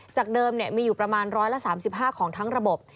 จากเดิมมีอยู่ประมาณ๑๓๕ของทั้งระบบ